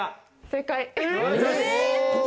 正解！